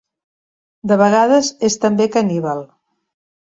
De vegades, és també caníbal.